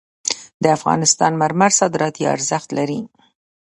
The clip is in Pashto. د افغانستان مرمر صادراتي ارزښت لري